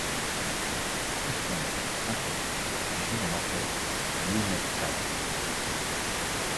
Il fonde un quintette puis joue dans l'orchestre de Louis Metcalf.